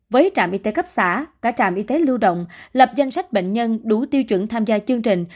với trạm y tế cấp xã cả trạm y tế lưu động lập danh sách bệnh nhân đủ tiêu chuẩn tham gia chương trình